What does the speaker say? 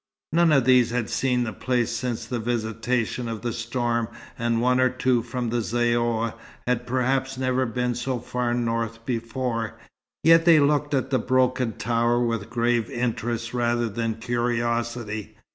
None of these had seen the place since the visitation of the storm, and one or two from the Zaouïa had perhaps never been so far north before, yet they looked at the broken tower with grave interest rather than curiosity.